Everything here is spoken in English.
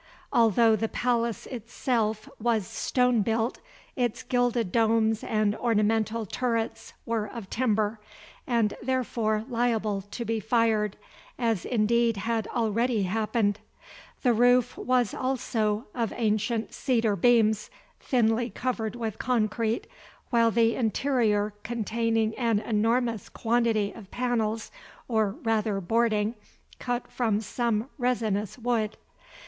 Although the palace itself was stone built, its gilded domes and ornamental turrets were of timber, and therefore liable to be fired, as indeed had already happened. The roof also was of ancient cedar beams, thinly covered with concrete, while the interior contained an enormous quantity of panels, or rather boarding, cut from some resinous wood.